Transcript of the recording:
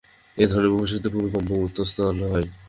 এ ধরনের ভূচ্যুতি ভূমিকম্পের উৎসস্থল হয়।